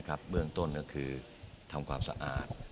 เบื้องต้นก็คือทำความสะอาด